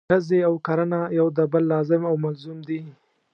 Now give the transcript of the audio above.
ډزې او کرنه یو د بل لازم او ملزوم دي.